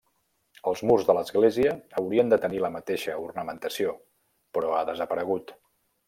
Els murs de l'església haurien de tenir la mateixa ornamentació però ha desaparegut.